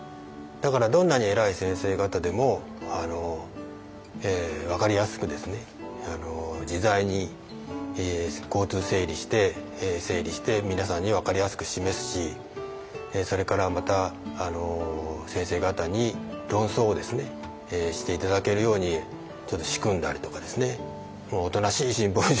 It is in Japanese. だからどんなに偉い先生方でも分かりやすく自在に交通整理して整理して皆さんに分かりやすく示すしそれからまた先生方に論争をして頂けるようにちょっと仕組んだりとかですね。